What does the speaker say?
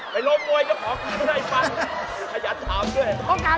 ไปลงมวยเจ้าของก็ได้ฝั่ง